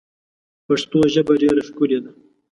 پښتو ژبه ډېره ښکلې ده.